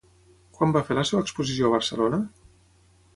Quan va fer la seva exposició a Barcelona?